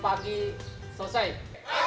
pagi pagi lupa desa terjaga semangat